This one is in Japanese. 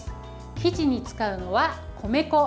生地に使うのは米粉。